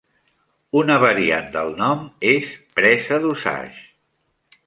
Una variant del nom és "presa d'Osage".